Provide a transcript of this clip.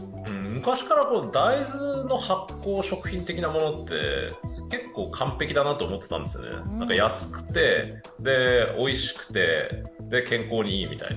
昔から大豆の発酵食品的なものって、結構、完璧だなと思っていたんですよね、安くておいしくて、健康にいいみたいな。